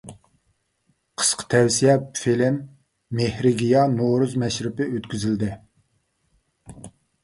قىسقا تەۋسىيە فىلىم مېھرىگىياھ نورۇز مەشرىپى ئۆتكۈزۈلدى!